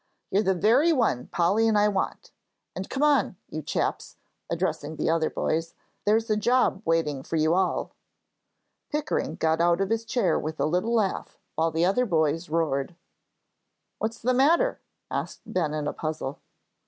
"You're the very one Polly and I want; and come on, you chaps," addressing the other boys, "there's a job waiting for you all." Pickering got out of his chair with a little laugh, while the other boys roared. "What's the matter?" asked Ben, in a puzzle.